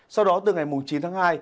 sau đó từ ngày chín tháng hai